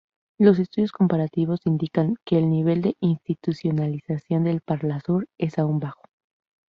Los estudios comparativos indican que el nivel de institucionalización del Parlasur es aún bajo.